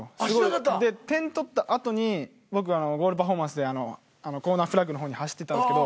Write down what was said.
で点取ったあとに僕あのゴールパフォーマンスでコーナーフラッグの方に走っていったんですけど。